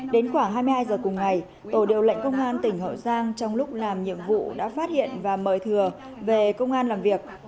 đến khoảng hai mươi hai giờ cùng ngày tổ điều lệnh công an tỉnh hậu giang trong lúc làm nhiệm vụ đã phát hiện và mời thừa về công an làm việc